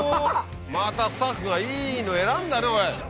またスタッフがいいの選んだねおい！